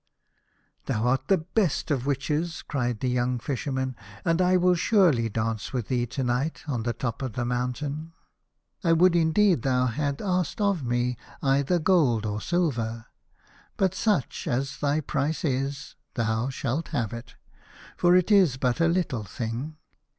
"Thou art the best of the witches," cried the young Fisherman, " and I will surely dance with thee to night on the top of the mountain. 77 A House of Pomegranates. I would indeed that thou hadst asked of me either gold or silver. But such as thy price is thou shalt have it, for it is but a little thing."